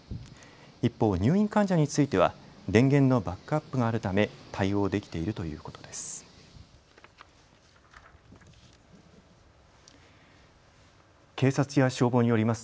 一方、入院患者については電源のバックアップがあるため対応できているということです。